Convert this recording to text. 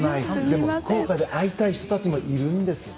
でも、福岡で会いたい人たちもいるんです。